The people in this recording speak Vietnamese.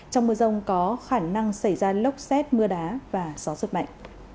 trong mưa rông có khả năng xảy ra lốc xét mưa đá và gió giật mạnh